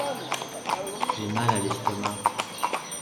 J’ai mal à l’estomac.